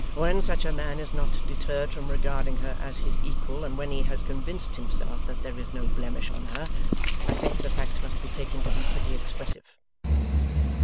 When such a man is not deterred from regarding her as his equal, and when he has convinced himself that there is no blemish on her, I think the fact must be taken to be pretty expressive.